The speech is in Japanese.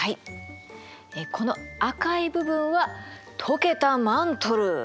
この赤い部分は溶けたマントル。